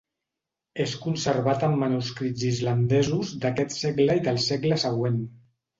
És conservat en manuscrits islandesos d'aquest segle i el segle següent.